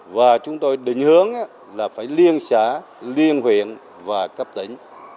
và chúng tôi định hướng là phải liên xã liên huyện và cấp tỉnh